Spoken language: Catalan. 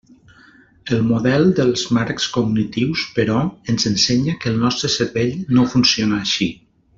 El model dels marcs cognitius, però, ens ensenya que el nostre cervell no funciona així.